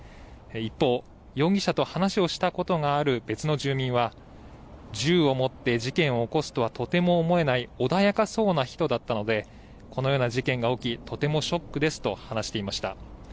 一方、容疑者と話をしたことがある別の住民は銃を持って事件を起こすとはとても思えない穏やかそうな人だったので、このような事件が起き、とてもショックですと話していました。